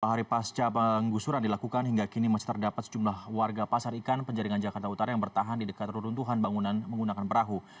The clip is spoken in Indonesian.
hari pasca penggusuran dilakukan hingga kini masih terdapat sejumlah warga pasar ikan penjaringan jakarta utara yang bertahan di dekat runtuhan bangunan menggunakan perahu